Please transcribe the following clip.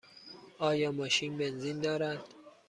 آیا ماشین بنزین دارد؟